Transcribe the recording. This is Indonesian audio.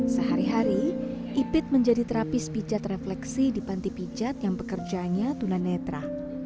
sehari hari ipid menjadi terapis pijat refleksi di panti pijat yang pekerjanya tunanetra